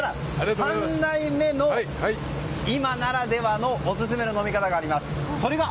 ３代目の今ならではのオススメの飲み方があります。